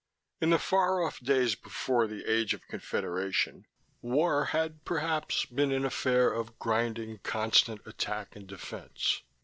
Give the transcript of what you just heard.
In the far off days before the age of Confederation, war had, perhaps, been an affair of grinding, constant attack and defense.